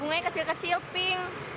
bunganya kecil kecil pink